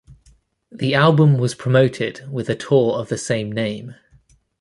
The album was promoted with a tour of the same name.